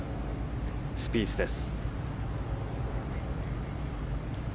スピースです。